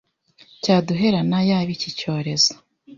cyaduherana yaba iki cyorezo